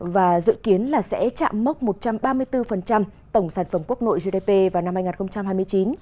và dự kiến là sẽ chạm mốc một trăm ba mươi bốn tổng sản phẩm quốc nội gdp vào năm hai nghìn hai mươi chín